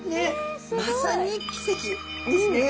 まさに奇跡ですね。